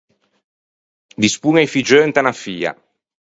Dispoñe i figgeu inte unna fia.